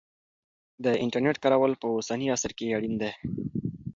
د انټرنیټ کارول په اوسني عصر کې اړین دی.